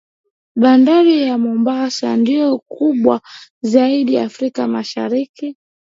bandari ya mombasa ndio kubwa zaidi afrika mashariki